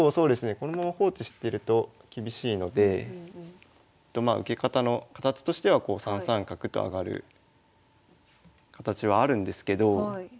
このまま放置してると厳しいので受け方の形としてはこう３三角と上がる形はあるんですけど。